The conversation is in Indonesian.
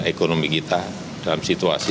ekonomi kita dalam situasi